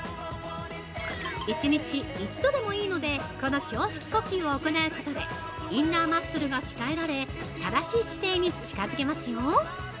１日１度でもいいのでこの胸式呼吸を行うことでインナーマッスルが鍛えられ正しい姿勢に近づけますよ！